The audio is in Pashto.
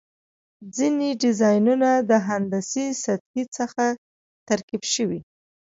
ځینې ډیزاینونه د هندسي سطحې څخه ترکیب شوي.